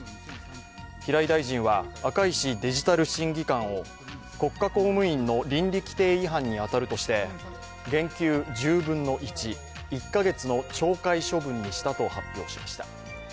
平井大臣は赤石デジタル審議官を国家公務員の倫理規程違反に当たるとして減給１０分の１、１カ月の懲戒処分にしたと発表しました。